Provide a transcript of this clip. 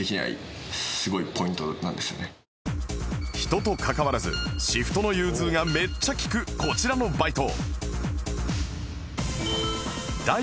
人と関わらずシフトの融通がめっちゃ利くこちらのバイト